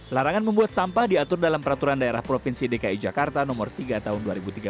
larangan membuat sampah diatur dalam peraturan daerah provinsi dki jakarta no tiga tahun dua ribu tiga belas